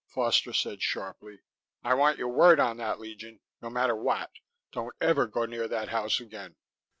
Foster said sharply. "I want your word on that, Legion. No matter what don't ever go near that house again."